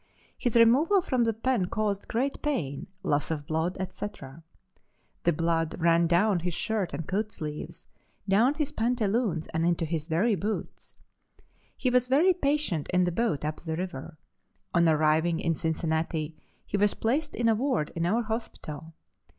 His removal from the pen caused great pain, loss of blood, etc. The blood ran down his shirt and coat sleeves, down his pantaloons and into his very boots. He was very patient in the boat up the river. On arriving in Cincinnati he was placed in a ward in our hospital.